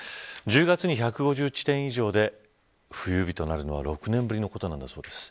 １０月に１５０地点以上で冬日となるのは６年ぶりのことなんだそうです。